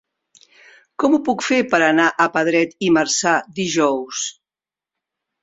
Com ho puc fer per anar a Pedret i Marzà dijous?